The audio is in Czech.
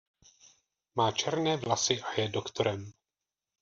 Má černé vlasy a je doktorem.